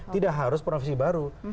tidak harus provinsi baru